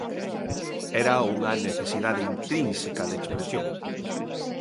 Era unha necesidade intrínseca de expresión.